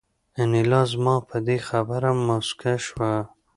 انیلا زما په دې خبره موسکه شوه